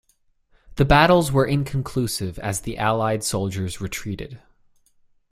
The battles were inconclusive as the allied soldiers retreated.